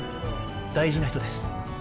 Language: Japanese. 大事な人です。